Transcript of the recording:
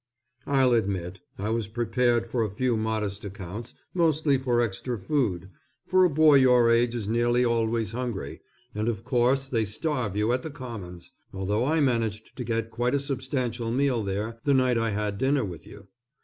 I'll admit, I was prepared for a few modest accounts, mostly for extra food, for a boy your age is nearly always hungry, and of course they starve you at the Commons, although I managed to get quite a substantial meal there the night I had dinner with you.